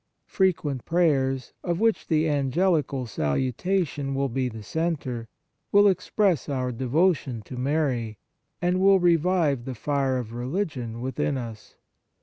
Frequent prayers, of which the angel ical salutation will be the centre, will express our devotion to Mary, and will revive the fire of religion within us.